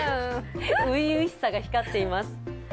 初々しさが光っています。